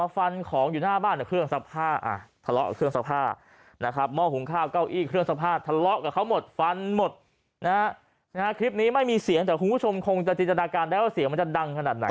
ฟันหมดนะครับนะครับคลิปนี้ไม่มีเสียงแต่คุณผู้ชมคงจะจินจนาการได้ว่าเสียงมันจะดังขนาดไหน